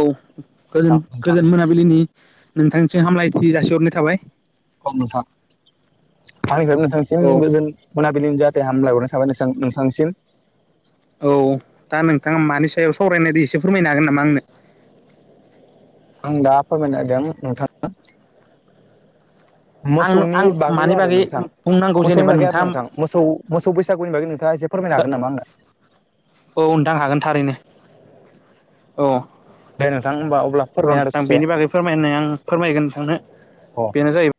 औ गोजोन नोंथांनिसिम मोनाबिलिनि नोंथांनिसिम हामलायथि जासिहरनाय थाबाय। खम नोथां आंनिफ्राय औ नोंथांसिम गोजोन मोना बिनि जाहाथे हामलाय हरनो थाबाय नोंसां नोंथांनिसिम औ दा नोंथाङा मानि सायाव सावरायनाय दि एसे फोरमायनो हागोन नामा आंनो आं दा फोरमायनो नागिदों नोंथां। आंनो आं मोसौनि बागै मानि आरो नोंथां बुंनांगौ मोसौनि जेनेबा बागै आरो नोंथाङा नोंथां मोसौ मोसौ बैसागुनि बागै नोंथाङा से फोरमायनो हागोन नामा आंनो औ नोंथां हागोन थारैनो औ। दे नोंथां होमबा अब्ला फोरमायना होदो र ससे बेनि बागै फोरमायनाय आं फोरमायगोन नोंथांनो। अ बेनो जाहै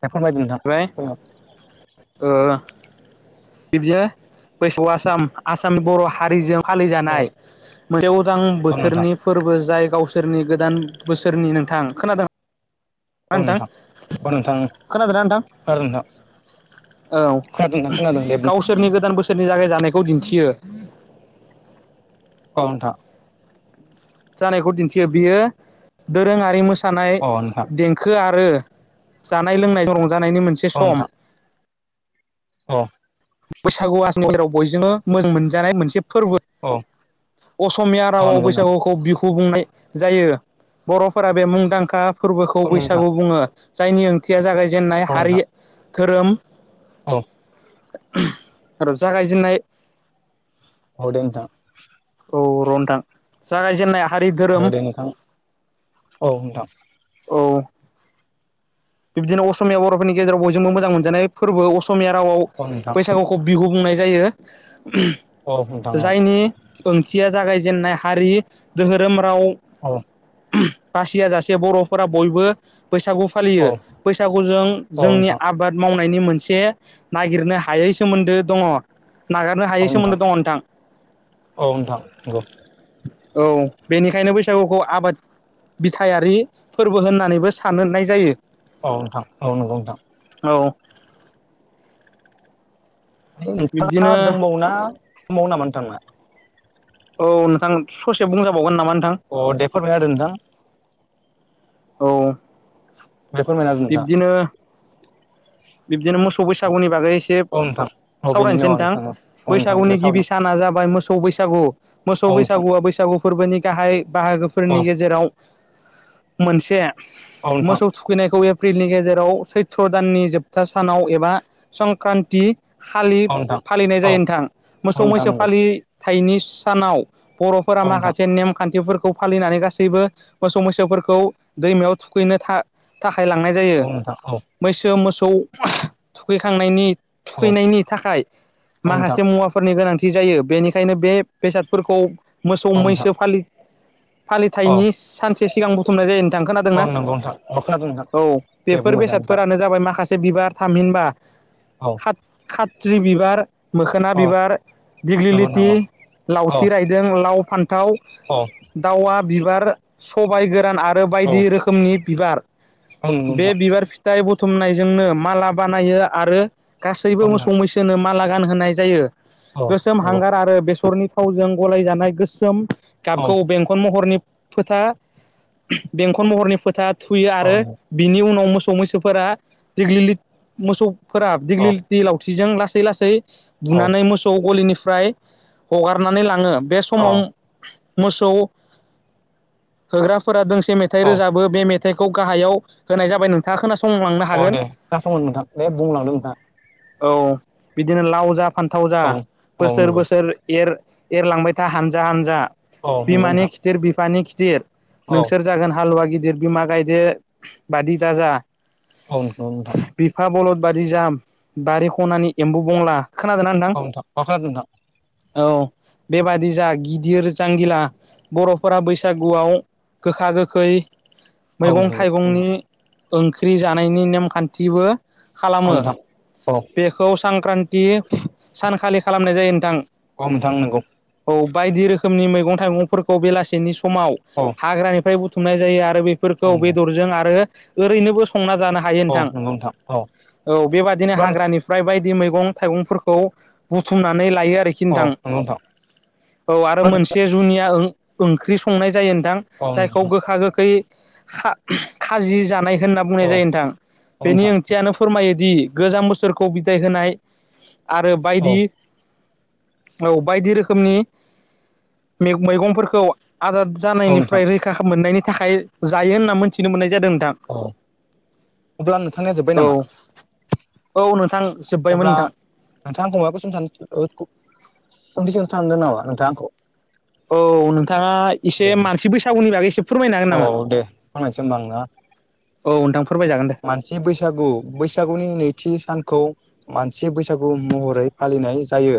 दे फोरमायदो नोंथां बाय औ ओ। बिदिनो बैसौ आसाम आसामनि बर' हारिजों फालिजानाय मोनसे उदां औ नोंथां बोथोरनि फोरबो जाय गाव सोरनि गोदान बोसोरनि नोंथां खोनादों। औ आदा नोंथां औ नोंथां खोनादों ना नोंथां। खोनादों नोंथां औ खोनादों दे बुं गावसोरनि गोदान बोसोरनि जागायजानाय खौ दिन्थियो। औ नोंथा। जानायखौ दिन्थियो बियो दोरोङारि मोसानाय अ नोंथां देंखो रो जानाय लोंनाय रंजानायनि मोनसे सम अ। बैसागु आसनियाव बयजोंबो मोजां मोनजानाय मोनसे फोरबो औ असमिया औ रावाव नंगौ नोंथां बैसागुखौ बिहु बुंनाय जायो। बर'फोरा बे मुंदांखा फोरबोखौ औ नोंथां बैसागु बुङो जायनि ओंथिया जागाय जेननाय औ हारि नोंथां धोरोम औ। र' जागायजेननाय औ दे नोंथां। औ र नोंथां जागायजेननाय। हारि धोरोम औ दे नोंथां औ नोंथां। औ बिब्दिनो असमिया बर'फोरनि गेजेराव बयजोंबो मोजां मोनजानाय फोरबो असमिया रावाव औ नोंथां बैसागुखौ बिहु बुंनाय जायो औ नोंथां औ जायनि ओंथिया जागायजेननाय हारि धोरोम राव औ। बासिया जासे बर'फोरा बयबो बैसागु औ फालियो। फैसागु जों औ जोंनि नोंथां आबाद मावनाय नायनि मोनसे नागिरनो हायै सोमोन्दो दङ। नागारनो हायै सोमोन्दो दङ नोंथां। औ नोंथां नंगौ औ बेनिखायनो बैस सागुखौ आबाद बिथायारि फोरबो होननानैबो साननाय जायो। औ नोंथां औ नंगौ नोंथां। औ नोंथाङा बिब्दिनो दंबावोना दंबावो नामा नोंथांना? औ नोंथां ससे बुंजाबावगोन नामा? नोंथां अ दे फोरमायना होदो नोंथां। औ। [inaudible] फोरमायना होदो नोंथां। बिबदिनो मोसौ बैसागुनि बागै एसे अ नोंथां। औ बेनिनो सावरायनोसै औ नोंथां औ नोंथां बे बैसागुनि सावनो गिबि साना जाबाय मोसौ बैसागु मोसौ औ नोंथां बैसागुआ बैसागु फोरबोनि गाहाय औ बाहागोफोरनि गेजेराव मोनसे नोंथां मोसौ थुखैनायखौ एप्रिलनि गेजेराव सैथ्र' दाननि जोब था सानाव एबा संक्रान्ति खालि औ नोंथां फालिनाय औ जायो नोंथां। मोसौ नोंथां मैसो नंगौ फालिथायाइनि सानाव बर'फोरा औ नोंथां माखासे नेमखान्थिफोर खौ फालिनानै गासैबो मोसौ मैसोफोरखौ दैमायाव थुखैनो था था खाय लांनाय जायो औ नोंथां औ मैसो मोसौ थुखैखांनायनि औ थुखैनायनि थाखाय औ नोंथां माखासे मुवाफोरनि गोनांथि जायो। बेनिखायनो बे बेसादफोरखौ मोसौ औ नोंथां मैसो फालि औ फालिथायनि सानसे सिगां बुथुमनाय जायो। औ खोनादोंना नंगौ नोंथां अ खोनादों नोंथां औ दे बेफोर बुंबाय था नोंथां बेसादफोरानो जाबाय माखासे बिबार थामहिनबा औ खात खात्रि बिबार मोखोना औ बिबार नंगौ नोंथां दिग्लिलिथि औ औ लावथि रायदों लाव फान्थाव औ दावा बिबार सबाय गोरान दान आरो औ बायदि औ रोखोमनि बिबार नंगौ नोंथां बे बिबार फिथाइ बुथुमनाय जोंनो माला बानायो आरो गासैबो औ नोंथां मोसौ मैसोनो माला गानहोनाय जायो। औ गोसोम नंगौ हांगार आरो बेसरनि थावजों गलायजानाय गोसोम औ गाबखौ बेंखन महरनि फोथा बेंखन महरनि फोथा थुयो औ आरो बिनि उनाव मोसौ मैसोफोरा देग्लि मोसौ फोराब दिग्लि दि लावथिजों लासै लासै बुनानै मोसौ गलिनि फ्रा हगारनानै लाङो बे औ समाव मोसौ होग्राफोरा दोंसे मेथाइ औ रोजाबो बे मेथाइ फिथाइखौ गाहायाव होनायाबाय नोंथाङा खोनासं अ दे खोनासाव नोंथां दे बुंलांदो नोंथाङा औ बिदिनो लाव जा फान्थाव जा औ औ बोसोर नंगौ बोसोर एर एरलांबाय था हानजा हानजा औ नंगौ बिमानि नोंथां खिदिर बिफानि खिदिर औ नोंसोर जागोन हालुवा गिदिर बिमा गायदे बादि दाजा औ औ नोंथां बिफा बलद बादि जाम बारि खनानि एम्बु बंला खोनादोंना नोंथां [unintelligible] औ बेबादि जा गिदिर जांगिला बर'फोरा बैसागुआव गोखा गोखै औ मैगं नंगौ औ थाइगंनि ओंख्रि जानायनि नेमखान्थिबो खालामो नोंथां औ बेखौ संख्रान्थि सानखालि खालामनाय जायो नोंथां औ नोंथां नोंगौ औ बायदि रोखोमनि मैगं थाइगंफोरखौ बेलासेनि समाव औ हाग्रानिफ्राय बुथुमनाय जायो आरो बेफोरखौ नंगौ बेदरजों आरो ओरैनोबो संना जानो हायो औ नोंथां नंगौ औ औ बेबायादिनो औ हाग्रानिफ्राय बायदि मैगं मैगं थाइगंफोरखौ बुुथुमनानै नोंथां नंगौ नोंथां औ आरो मोनसे जनि संनाय ज जायखौ नोंथां गोखा गोखै खा खाजि जानाय होनो औ बुंनाय जायो नोंथां बेनि नोंथां ओंथियानो फोरमायोदि गोजाम बोसोरखौ बिदाय होनाय आरो औ बायदि औ बायदि रोखोमनि मैगंफोरखौ आदाद औ नोंथां जानायनिफ्राय रैखा मोननायनि थाखाय जायो होनना मोनथिनो मोननाय जादों नोंथां औ अब्ला नोंथांनिा जोब्बाय नामा औनो अब्ला नोंथांं बमाखौसों सान [unintelligible] औ नोंथाङा एसे मानसि बैसागुनि बागै एसे फोरमायनो हागोन औ नामा दे फोरमायनोसै होमबा आं ना औ ओनथां फोरमायजाग मानसि बैसागु बैसागुनि नैथि सान खौ मानसि बैसागु महरै फालिनाय जायो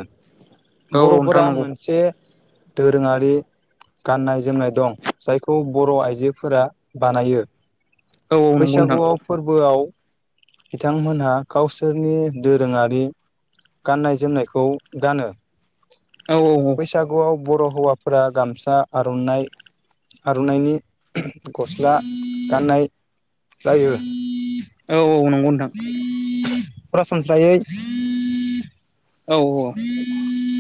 औ औ नोंथां बर'फोरा नंगौ मोनसे दोरोङारि गाननाय जोमनाय दं जायखौ बर' आइजोफोरा बानायो औ नंगौ नोंथां बैसागुयाव गोयाव बिथांमोनहा गावसोरनि दोरोङारि गाननाय जोमनायखौ गानो औ बैसागुआव बर' हौवाफोरा गामसा आर'नाइ आर'नाइनि गस्ला गाननाय जायो औ औ नंगौ नोंथां [inaudible] औ औ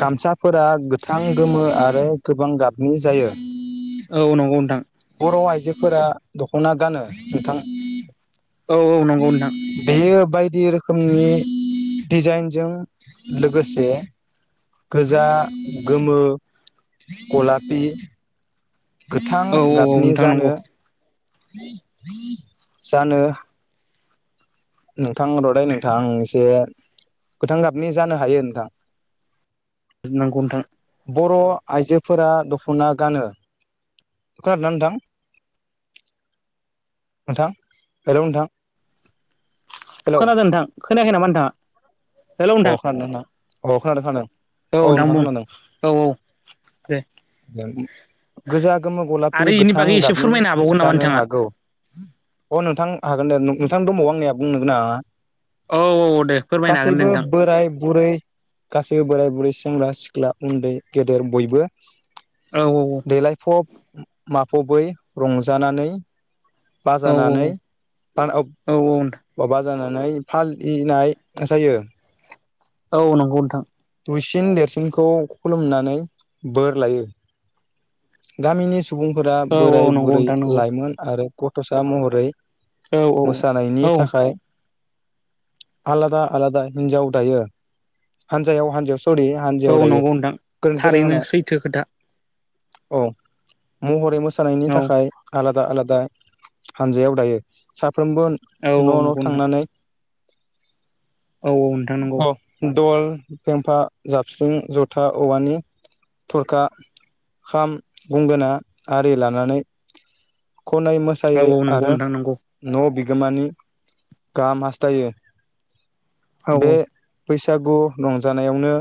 गामसाफोरा गोथां गोमो आरो गोबां गाबनि जायो औ नंगौ नोंथां बर' आइजोफोरा दख'ना गानो नोंथां औ औ नंगौ नोंथां बेयो बायदि रोखोमनि डिजाइनजों लोगोस से गोजा गोमो गलापि गोथां औ औ औ गाबनि नोंथां जानो नंगौ जानो हा नोंथां रदै नोंथां एसे गोथां गाबनि जानो हायो नोंथां नंगौ नोंथां बर' आइजोफोरा दख'ना गानो खोनादों ना नोंथां नोंथां हेलौ नोंथां हेलौ खोनादों नोंथां खोनायाखै नामा नोंथाङा हेलौ अ नोंथां खोदोंना नोंथा अ खानादों खोनादों औ नोंथां बुं औ औ दे गियार उ गोजा गोमो गलाफि आरो इनि गोथां बागै एसे गाबनि फोरमायनो हाबावगोन नामा जानो नोंथाङा हागौ अ नोंथां हागोन दे नोंथां दंबावो आंनिया बुंनो गोनाङा औ औ दे फोरमायनो हागोन गासैबो दे नोंथां बोराय बुरै गासैबो बोराय बुरै सेंग्रा सिख्ला उन्दै गेदेर बयबो औ देलायफब माफबै रंजानानै औ बाजानानै आ औ औ बाजाना नाय फालिनाय जायो औ नंगौ नोंथां हुइसिन देरसिनखौ खुलुमनानै बोर लायो गामिनि सुबुंफोरा औ औ बोराय नंगौ बुरै नोंथां नंगौ लाइमोन आरो गथ'सा महरै औ औ मोसानायनि औ थाखाय आलादा आलादा हिनजाव दायो हानजायाव हानजायाव सरि औ हानजायाव दायो नंगौ नोंथां गोरोनथि जादों थारैनो आंना सैथो खोथा औ महरै मोसानायनि औ थाखाय आलाद आलादा आलादा हानजायाव दायो साफ्रोमबो न' औ न' नंगौ नोंथां थांनानै औ औ नोंथां नंगौ अ दल फमफा जाबस्रिं जथा औवानि थरखा खाम गुंगोना आरि लानानै खनाय औ मोसायै नंगौ आरो नोंथां नंगौ न' बिख गोमानि गाहाम हास्थायो औ बे बैसागु रंजानायावनो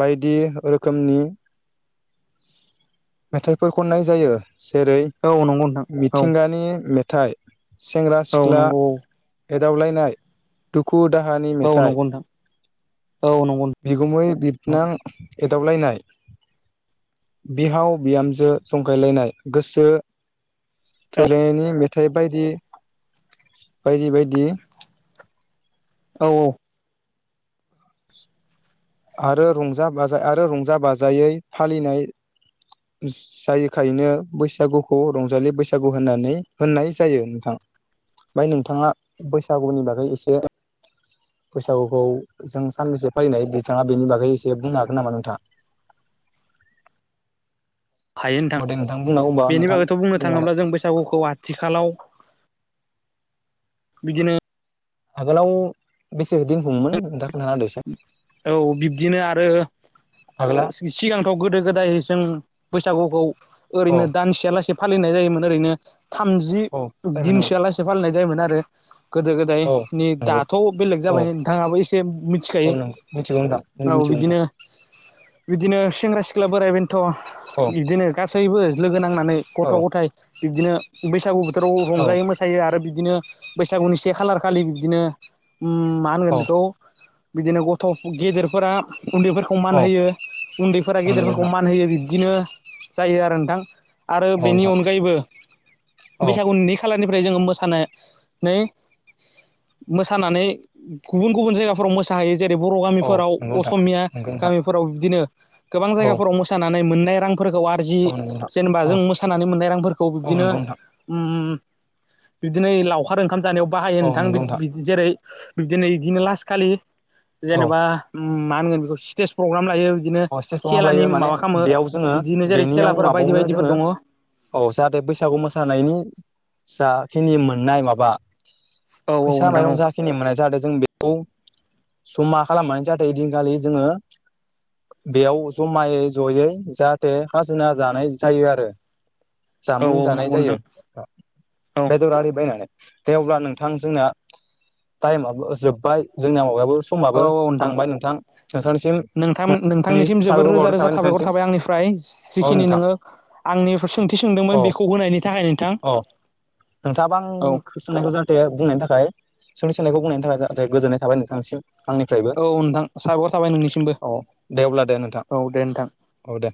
बायदि रोखोमनि मेथाइफोर खननाय जायो जेरै औ नंगौ नोंथां औ मिथिंगानि मेथाइ सेंग्रा औ सिख्ला नंगौ एदावलायनाय दुखु दाहानि औ मेथाइ नंगौ नोंथां औ नंगौ बिगुमै बिबनां एदावबलायनाय बिहाव बिहामजो जंखायलायनाय गोसो थोज्लायनायनि मेथाइ बायदि बायदि बायदि औ औ आरो रंजा बाजा आरो रंजा बाजायै फालिनाय जायोखायनो बैसागुखौ रंजालि बैसागु होननानै होननाय जायो नोंथां ओमफ्राय नोंथाङा बैसागुनि बागै एसे बैसागुखौ जों साननैसो फालिनाय बि बिथाङा बेनि बागै एसे बुंनो हागोन नामा नोंथाङा हायो नोंथां बेनि नोंथां बागैथ' बुंनो थाङोब्ला जों बैसागुखौ आथिखालाव बिदिनो आगोलाव बेसे दिन बुङोमोन द औ बिब्दिनो आरो आगोला सिगां गोदो गोदाय जों बैसागुखौ औ ओरैनो दानसेया लासे फालिनाय जायोमोन ओरैनो थामजि औ टाइम होनांगौ दिनसोआलासे फालिनाय जायोमोन आरो गोदो औ गोदायनि नंगौ दाथ' बेलेग औ जाबाय नोंथाङाबो एसे मि औ नंगौ मिथिगौ नोंथां औ मिथिगौ नोंथां बिदिनो बिदीनो सेंग्रा सिख्ला बोराय बेनोथ' औ बिदिनो गासैबो होनांनानै औ गथ' गथाय बिदिनो बैसागु बोथोराव औ रंजायो मोसायो आरो बिदिनो बैसागुनि से खालार खालि बिदिनो मा होनगोन औ बेखौ बिदिनो गथ' गेदेरफोरा उन्दैफोरखौ मान औ होयो उन्दैफोरा नंगौ गेदेरफोरखौ नोंथां मान होयो बिब्दिनो जायो आरो नोंथां आरो औ बेनि नोंथां अनगायैबो औ बैसागुनि नै खालारनि ओमफ्राय जोङो मोसानानै मोसानानै गुबुन गुबुन जायगाफोराव मोस मोसा हायो जेरै बर' औ गामिफोराव नंगौ नोंथां असमिया नंगौ नोंथां गामिफोराव बिदिनो गोबां औ जायगाफोराव मोसानानै मोन नाय रांफोरखौ आरजि औ नंगौ नोंथां जेनेबा औ जों मोसानानै मोननाय रांफोरखौ औ बिबदिनो नंगौ नोंथां बिबदिनो लावखार ओंखाम जानायाव बाहायो औ नोंथां नंगौ जेरै बिदिनो बिदिनो लासस खालि औ जेनेबा मा होनगोन बेखौ स्टेज प्रग्राम लायो बिदिनो अ स्टेज प्रग्राम लायो खेलानि माने माबा खामो बेयाव जोङो बिदिनो जेरै बेनियाव खेलाफोरा बायदि माबायावनो जोङो बायदिफोर दङ औ जाहाथे बैसागु मोसानायनि जा खिनि मोननाय माबा औ फैसा नोंथां माइरं औ जाखिनि मोननाय जादों जों बेखौ जामा खालामनानै जाहाथे ओय दिनखालि जोङो बेयाव जमायै जयै जाहाथे खाजोना जानाय जायो आरो औ जामुं औ जानाय नंगौ जायो नोंथां औ बेदर आलि बायनानै दे अब्ला नोंथां जोंना टाइमाबबो जोब्बाय जोंनिया माबायाबो औ समाबो औ थांबाय नोंथां नोंथांनिसिम नोंथां आंनि नोंथांनिसिम जोबोद साबायखर रोजा बावनाय रोजा साबायखर नोंथांनिसिम थाबाय आंनिफ्राय औ जिखिनि नोंथां नोङो आंनि सोंथि सोंदोंमोन बेखौ होनायनि थाखाय नोंथां नोंथाङाबा औ आंनिसोननायखौ जाहाथे बुंनायनि थाखाय सोंथि सोंनायखौ बुंनायनि थाखाय [unintelligible] गोजोननाय थबाय नोंथांनिसिम आंनिफ्रायबो औ औ नोंथां साबायखर थाबाय नोंनिसिमबो औ दे अब्ला दे नोंथां औ दे नोंथां औ दे